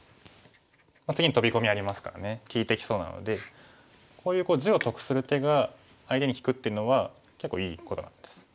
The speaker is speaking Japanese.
次にトビ込みありますからね利いてきそうなのでこういう地を得する手が相手に利くっていうのは結構いいことなんです。